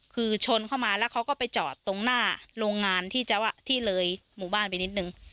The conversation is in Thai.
คือชนเข้ามาแล้วเขาก็ไปจอดตรงหน้าโรงงานที่จะว่าที่เลยหมู่บ้านไปนิดนึง